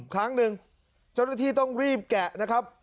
ครั้งหนึ่งเจ้าหน้าที่ต้องรีบแกะนะครับ